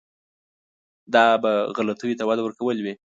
دا به غلطیو ته وده ورکول وي.